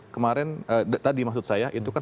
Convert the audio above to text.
kemarin tadi maksud saya itu kan